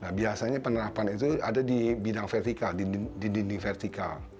nah biasanya penerapan itu ada di bidang vertikal di dinding vertikal